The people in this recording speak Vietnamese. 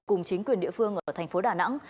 cùng chính quyền địa phương ở thành phố đà nẵng